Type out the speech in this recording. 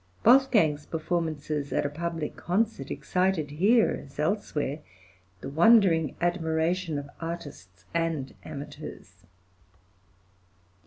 Wolfgang's performances at a public concert excited here as elsewhere the wondering admiration of artists and amateurs.